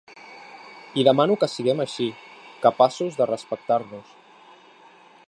I demano que siguem així, capaços de respectar-nos.